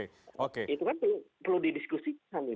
itu kan perlu didiskusikan